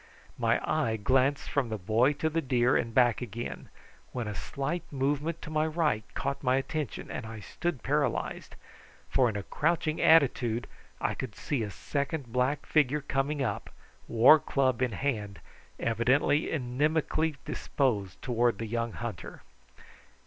My eye glanced from the boy to the deer and back again, when a slight movement to my right caught my attention and I stood paralysed, for in a crouching attitude I could see a second black figure coming up, war club in hand, evidently inimically disposed towards the young hunter.